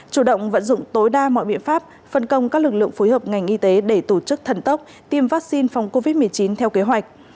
chủ động vận dụng tối đa mọi biện pháp phân công các lực lượng phối hợp ngành y tế để tổ chức thần tốc tiêm vaccine phòng covid một mươi chín theo kế hoạch